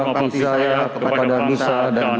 orang orang di penjarapan indonesia akan all the same